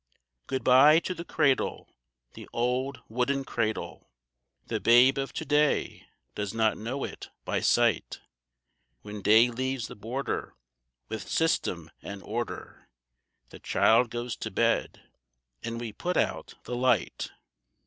Good bye to the cradle, the old wooden cradle, The babe of to day does not know it by sight. When day leaves the border, with system and order, The child goes to bed and we put out the light.